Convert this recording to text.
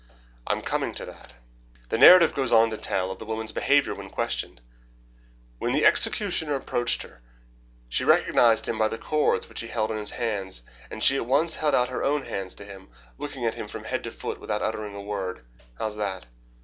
"I am coming to that. The narrative goes on to tell of the woman's behaviour when questioned. 'When the executioner approached her she recognized him by the cords which he held in his hands, and she at once held out her own hands to him, looking at him from head to foot without uttering a word.' How's that?"